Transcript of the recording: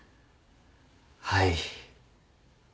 はい。